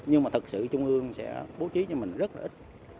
nhưng mà thật sự trung ương sẽ bố trí cho mình rất là ít